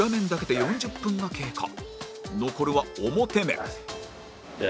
残るは表面